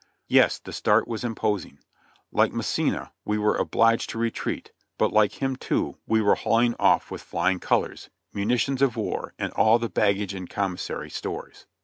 Yes, the start was imposing! Like Massena, we were obliged to retreat, but like him, too, we were hauling off with flying colors, munitions of ^^•ar and all the baggage and commissary stores.